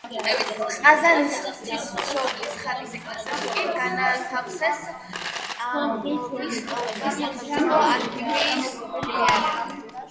ყაზანის ღვთისმშობლის ხატის ეკლესიაში კი განათავსეს ტამბოვის ოლქის სახელმწიფო არქივის ფილიალი.